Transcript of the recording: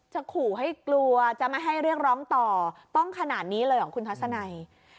ขู่ให้กลัวจะไม่ให้เรียกร้องต่อต้องขนาดนี้เลยเหรอคุณทัศนัย